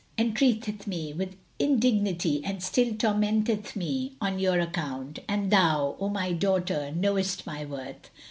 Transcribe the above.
entreateth me with indignity and still tormenteth me on your account; and thou, O my daughter, knowest my worth."